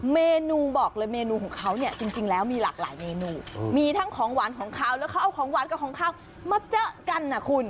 เมนูบอกเลยเมนูของเขาเนี่ยจริงแล้วมีหลากหลายเมนูมีทั้งของหวานของเขาแล้วเขาเอาของหวานกับของเขามาเจอกันนะคุณ